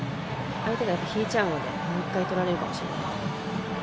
相手が引いちゃうのでもう１点取られるかもしれないって。